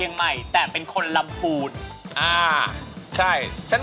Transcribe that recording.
วันที่เธอพบมันใจฉัน